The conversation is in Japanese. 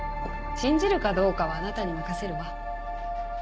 信じるかどうかはあなたに任せるわ。